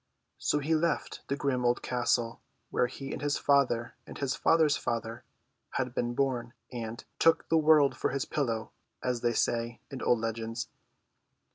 So he left the grim old castle, where he and his father and his father's father had been born, and took the world for his pillow," as they say in old legends.